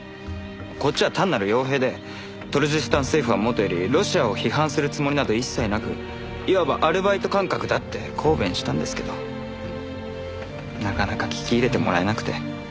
こっちは単なる傭兵でトルジスタン政府はもとよりロシアを批判するつもりなど一切なくいわばアルバイト感覚だって抗弁したんですけどなかなか聞き入れてもらえなくて。